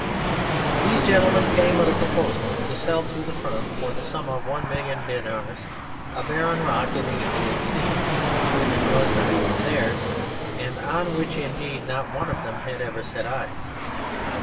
These gentlemen came with a proposal to sell to the firm for the sum of one million dinars a barren rock in the Indian Sea, which was not even theirs, and on which indeed not one of them had ever set eyes.